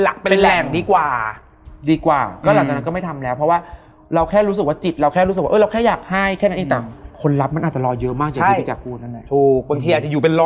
แล้วก็ไม่เจออะไรอีกเลย